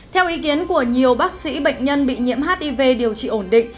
theo ý kiến của nhiều bác sĩ bệnh nhân bị nhiễm hiv điều trị ổn định